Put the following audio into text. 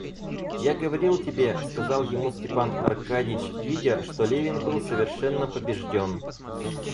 Я говорил тебе, — сказал ему Степан Аркадьич, видя, что Левин был совершенно побежден.